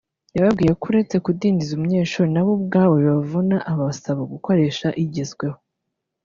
yababwiye ko uretse kudindiza umunyeshuri nabo ubwabo bibavuna abasaba gukoresha igezweho